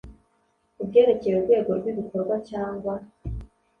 Ku Byerekeye Urwego Rw Ibikorwa Cyangwa